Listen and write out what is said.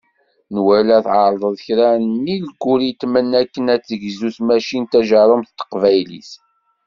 Nwala tɛerḍeḍ kra n yilguritmen akken ad tegzu tmacint tajerrumt n teqbaylit.